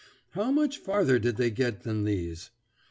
How much farther did they get than these?